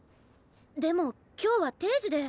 でも今日は定時で。